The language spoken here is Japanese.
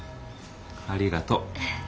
ありがとう。